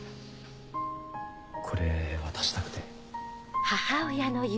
これ渡したくて。